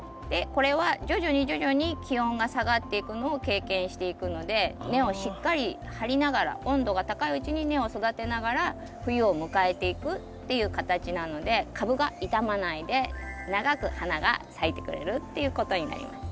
これは徐々に徐々に気温が下がっていくのを経験していくので根をしっかり張りながら温度が高いうちに根を育てながら冬を迎えていくっていう形なので株が傷まないで長く花が咲いてくれるっていうことになります。